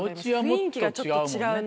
雰囲気がちょっと違うな。